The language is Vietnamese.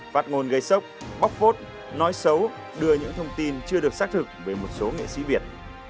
phát ngôn gây sốc bóc phốt nói xấu đưa những thông tin chưa được xác thực về một số nghệ sĩ việt